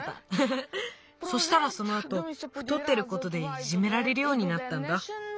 そしたらそのあとふとってることでいじめられるようになったんだ。